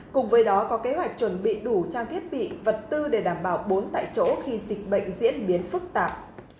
cùng với đó có kế hoạch chuẩn bị đủ trang thiết bị vật tư để đảm bảo bốn tại chỗ khi dịch bệnh diễn biến phức tạp